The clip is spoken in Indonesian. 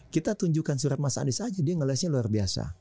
kita tunjukkan surat mas anies aja dia ngelesnya luar biasa